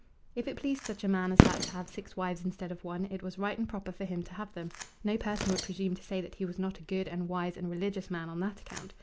If it pleased such a man as that to have six wives instead of one it was right and proper for him to have them; no person would presume to say that he was not a good and wise and religious man on that account.